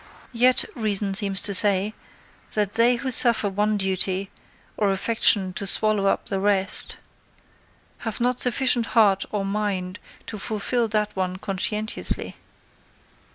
Yet, reason seems to say, that they who suffer one duty, or affection to swallow up the rest, have not sufficient heart or mind to fulfil that one conscientiously.